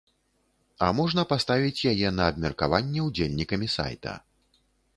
А можна паставіць яе на абмеркаванне ўдзельнікамі сайта.